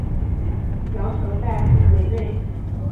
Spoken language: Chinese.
羊舌大夫为尉。